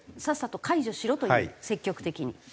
さっさと解除しろという積極的に。